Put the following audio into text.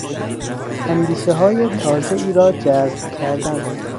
اندیشههای تازهای را جذب کردن